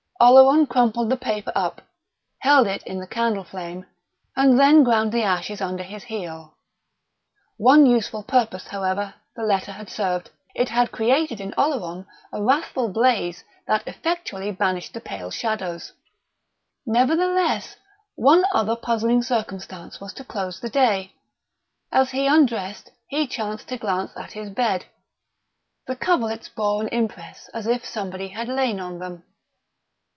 Oleron crumpled the paper up, held it in the candle flame, and then ground the ashes under his heel. One useful purpose, however, the letter had served: it had created in Oleron a wrathful blaze that effectually banished pale shadows. Nevertheless, one other puzzling circumstance was to close the day. As he undressed, he chanced to glance at his bed. The coverlets bore an impress as if somebody had lain on them.